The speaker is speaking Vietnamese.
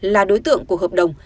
là đối tượng của hợp đồng